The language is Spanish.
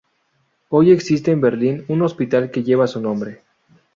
Hoy existe en Berlín un hospital que lleva su nombre.